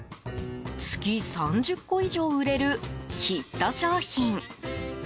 月３０個以上売れるヒット商品。